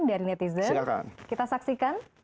dari netizen kita saksikan